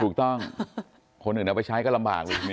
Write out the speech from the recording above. ถูกต้องคนอื่นเอาไปใช้ก็ลำบาก